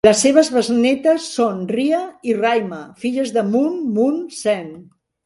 Les seves besnétes son Ria i Raima, filles de Moon Moon Sen.